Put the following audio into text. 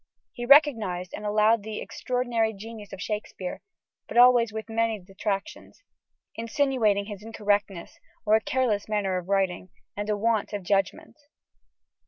He recognised and allowed the extraordinary genius of Shakespeare but always with many detractions, "insinuating his incorrectness, or a careless manner of writing, and a want of judgment."